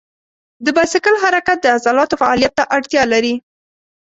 د بایسکل حرکت د عضلاتو فعالیت ته اړتیا لري.